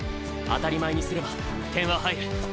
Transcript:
当たり前にすれば点は入る。